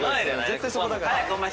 絶対そこだから。